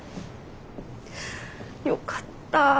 よかった。